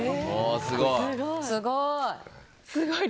すごい！